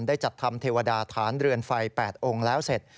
ได้จัดทำเทวดาฐานเรือนไฟ๘องค์แล้วเสร็จ